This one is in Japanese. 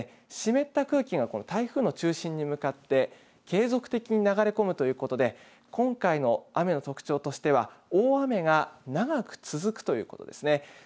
湿った空気がこの台風の中心に向かって継続的に流れ込むということで今回の雨の特徴としては大雨が長く続くということですね。